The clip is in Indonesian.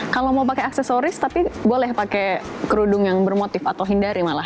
kalau mau pakai aksesoris tapi boleh pakai kerudung yang bermotif atau hindari malah